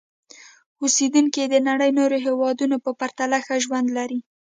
اوسېدونکي یې د نړۍ نورو هېوادونو په پرتله ښه ژوند لري.